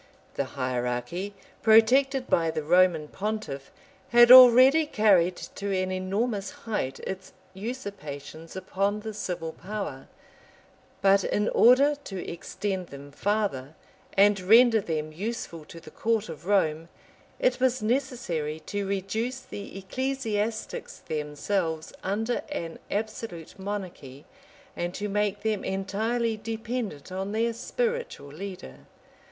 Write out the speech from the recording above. The hierarchy, protected by the Roman pontiff, had already carried to an enormous height its usurpations upon the civil power; but in order to extend them farther, and render them useful to the court of Rome, it was necessary to reduce the ecclesiastics themselves under an absolute monarchy, and to make them entirely dependent on their spiritual leader.